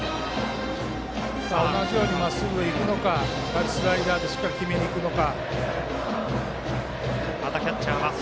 同じようにまっすぐでいくのかスライダーでしっかり決めにいくのか。